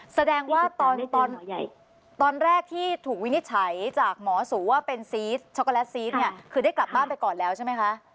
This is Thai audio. แสดงว่าตอนแรกที่ถูกวินิจฉัยจากหมอสูว่าเป็นซีสช็อกโกแลตซีสเนี่ยคือได้กลับบ้านไปก่อนแล้วใช่ไหมคะ